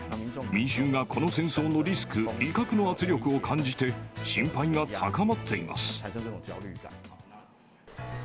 民衆がこの戦争のリスク、威嚇の圧力を感じて、心配が高まっています。